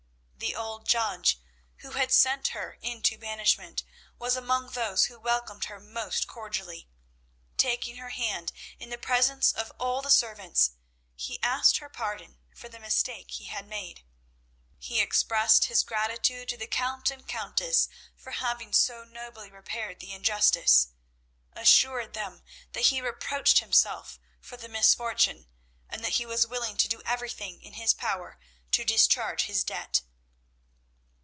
The old judge who had sent her into banishment was among those who welcomed her most cordially. Taking her hand in the presence of all the servants, he asked her pardon for the mistake he had made. He expressed his gratitude to the Count and Countess for having so nobly repaired the injustice, assured them that he reproached himself for the misfortune, and that he was willing to do everything in his power to discharge his debt.